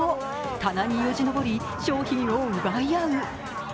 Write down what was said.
棚によじ登り商品を奪い合う。